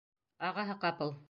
Ағаһы ҡапыл: